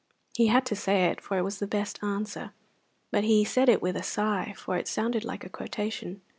He had to say it, for it is the best answer; but he said it with a sigh, for it sounded like a quotation.